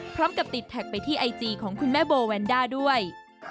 พร้อมกับติดแท็กไปที่ไอจีของคุณแม่โบแวนด้าด้วย